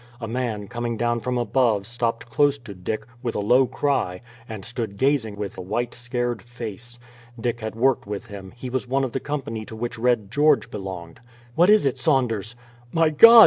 A man coming down from above stopped close to Dick, with a low cry, and stood gazing with a white scared face. Dick had worked with him; he was one of the company to which Red George belonged. "What is it, Saunders?" "My God!